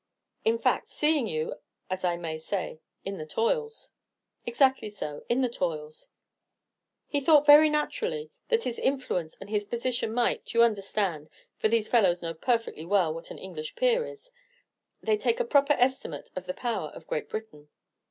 "In fact, seeing you, as I may say, in the toils." "Exactly so, in the toils." "He thought very naturally that his influence and his position might, you understand, for these fellows know perfectly well what an English peer is, they take a proper estimate of the power of Great Britain."